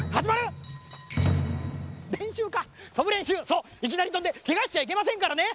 そういきなりとんでけがしちゃいけませんからね。